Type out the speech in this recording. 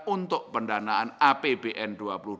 untuk pendanaan apbn dua ribu dua puluh